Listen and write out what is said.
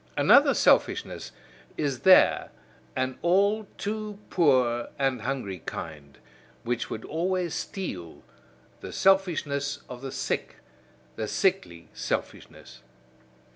Another selfishness is there, an all too poor and hungry kind, which would always steal the selfishness of the sick, the sickly selfishness.